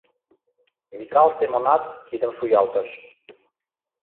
Микал Семонат кидым шуялтыш.